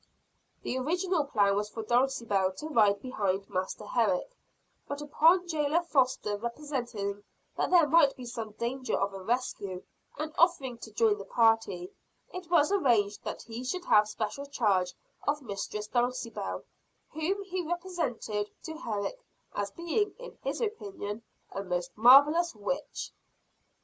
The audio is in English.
The original plan was for Dulcibel to ride behind Master Herrick; but upon jailer Foster representing that there might be some danger of a rescue, and offering to join the party, it was arranged that he should have special charge of Mistress Dulcibel, whom he represented to Herrick as being in his opinion a most marvelous witch.